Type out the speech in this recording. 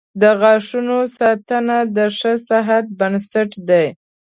• د غاښونو ساتنه د ښه صحت بنسټ دی.